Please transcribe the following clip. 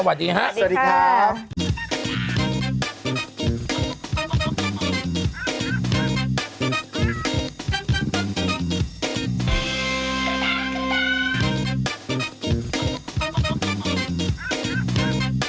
๓วันนี้เจอกันที่ข่าวใส่ไข่ครับไปกันก่อนสวัสดีครับ